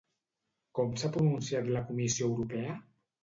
Com s'ha pronunciat la Comissió Europea?